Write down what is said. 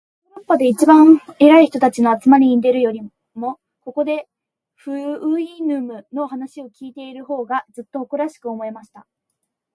私はヨーロッパで一番偉い人たちの集まりに出るよりも、ここで、フウイヌムの話を開いている方が、ずっと誇らしく思えました。